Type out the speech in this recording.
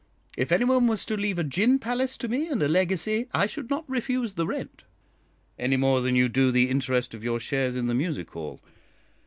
If any one was to leave a gin palace to me in a legacy, I should not refuse the rent." "Any more than you do the interest of your shares in the music hall.